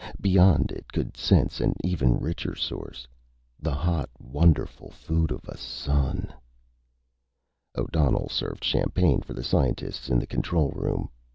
Beyond, it could sense an even richer source. The hot, wonderful food of a sun! O'Donnell served champagne for the scientists in the control room.